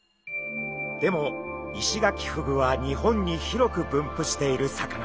でもイシガキフグは日本に広く分布している魚。